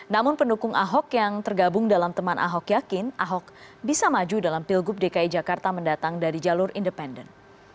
namun pendukung ahok yang tergabung dalam teman ahok yakin ahok bisa maju dalam pilgub dki jakarta mendatang dari jalur independen